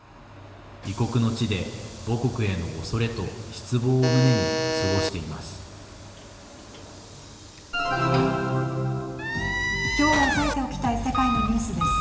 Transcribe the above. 異国の地で母国へのおそれと失望を胸に過ごしています。